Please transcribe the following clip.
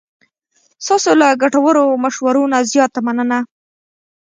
ستاسو له ګټورو مشورو نه زیاته مننه.